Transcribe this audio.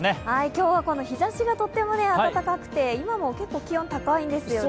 今日は日ざしがとっても暖かくて今も結構気温高いんですよね。